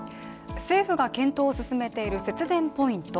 政府が検討を進めている節電ポイント。